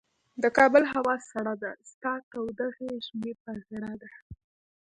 د کابل هوا سړه ده، ستا توده غیږ مه په زړه ده